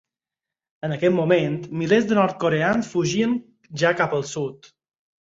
En aquest moment, milers de nord-coreans fugien ja cap al Sud.